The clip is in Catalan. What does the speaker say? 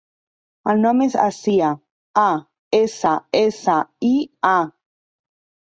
El nom és Assia: a, essa, essa, i, a.